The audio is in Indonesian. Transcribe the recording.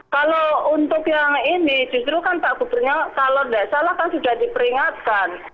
kalau untuk yang ini justru kan pak gubernur kalau tidak salah kan sudah diperingatkan